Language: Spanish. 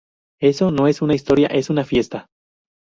Eso no es una historia, es una fiesta.